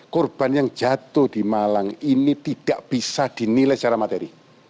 korban yang jatuh di malang ini tidak bisa dinilai secara materi